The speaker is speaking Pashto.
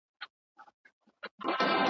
د مرګ غېږ ته ورغلی یې نادانه .